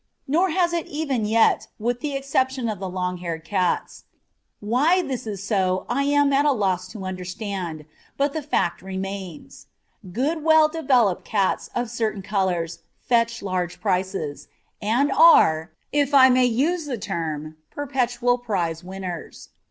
Nor has it even yet, with the exception of the long haired cats. Why this is so I am at a loss to understand, but the fact remains. Good well developed cats of certain colours fetch large prices, and are, if I may use the term, perpetual prize winners.